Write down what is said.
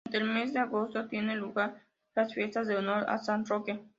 Durante el mes de agosto tienen lugar las fiestas en honor a San Roque.